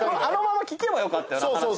あのまま聞けばよかったよな。